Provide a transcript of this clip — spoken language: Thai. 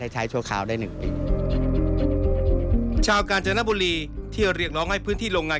ชาวการจนบุรีที่เรียกร้องให้พื้นที่โรงงาน